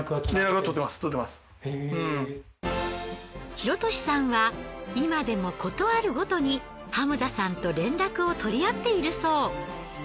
洋年さんは今でも事あるごとにハムザさんと連絡をとりあっているそう。